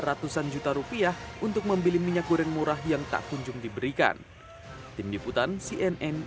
ratusan juta rupiah untuk membeli minyak goreng murah yang tak kunjung diberikan tim liputan cnn